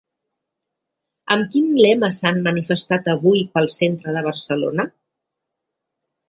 Amb quin lema s'han manifestat avui pel centre de Barcelona?